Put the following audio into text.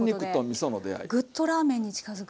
グッとラーメンに近づく。